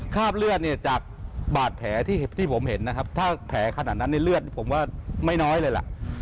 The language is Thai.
คราบเลือดเนี่ยจากบาดแผลที่ผมเห็นนะครับถ้าแผลขนาดนั้นในเลือดผมว่าไม่น้อยเลยล่ะ